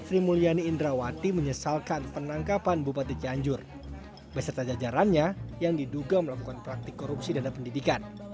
sri mulyani indrawati menyesalkan penangkapan bupati cianjur beserta jajarannya yang diduga melakukan praktik korupsi dana pendidikan